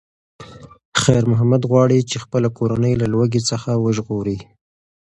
خیر محمد غواړي چې خپله کورنۍ له لوږې څخه وژغوري.